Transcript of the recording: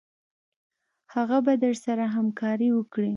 هغه به درسره همکاري وکړي.